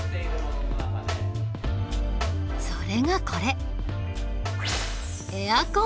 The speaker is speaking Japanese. それがこれ。